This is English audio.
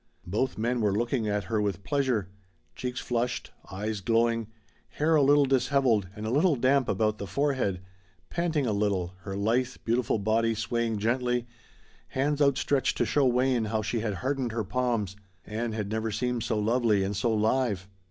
Both men were looking at her with pleasure: cheeks flushed, eyes glowing, hair a little disheveled and a little damp about the forehead, panting a little, her lithe, beautiful body swaying gently, hands outstretched to show Wayne how she had hardened her palms, Ann had never seemed so lovely and so live.